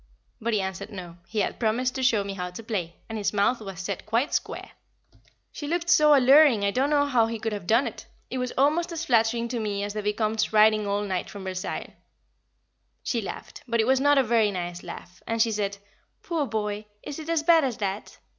But he answered No, he had promised to show me how to play, and his mouth was set quite square. She looked so alluring I don't know how he could have done it, it was almost as flattering to me as the Vicomte's riding all night from Versailles. She laughed but it was not a very nice laugh and she said, "Poor boy, is it as bad as that?"